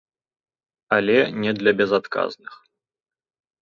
Але не для безадказных.